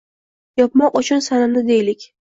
yopmoq uchun sanani dey lik